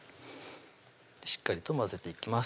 しっかりと混ぜていきます